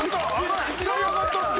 いきなり上がったっすね。